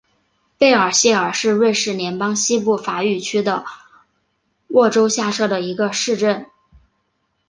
贝尔谢尔是瑞士联邦西部法语区的沃州下设的一个市镇。